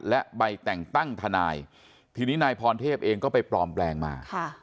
และใบแต่งตั้งทนายทีนี้นายพรเทพเองก็ไปปลอมแปลงมา